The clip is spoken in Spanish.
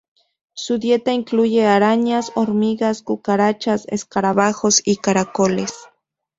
Su dieta incluye arañas, hormigas, cucarachas, escarabajos y caracoles.